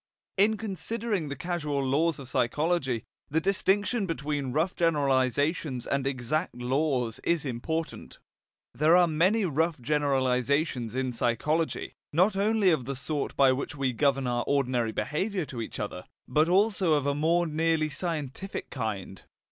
In considering the causal laws of psychology, the distinction between rough generalizations and exact laws is important. There are many rough generalizations in psychology, not only of the sort by which we govern our ordinary behaviour to each other, but also of a more nearly scientific kind.